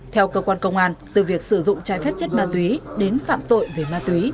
theo cơ quan công an từ việc sử dụng trái phép chất ma túy đến phạm tội về ma túy